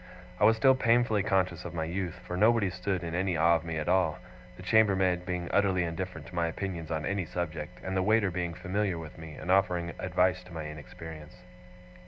I was still painfully conscious of my youth, for nobody stood in any awe of me at all: the chambermaid being utterly indifferent to my opinions on any subject, and the waiter being familiar with me, and offering advice to my inexperience.